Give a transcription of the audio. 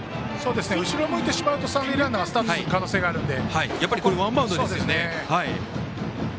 後ろ向いてしまうと三塁ランナーがスタートする可能性あるので。